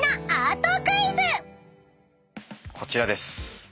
こちらです。